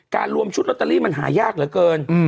รวมชุดลอตเตอรี่มันหายากเหลือเกิน